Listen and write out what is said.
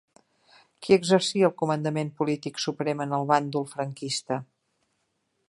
Qui exercia el comandament polític suprem en el bàndol franquista?